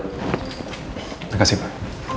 terima kasih pak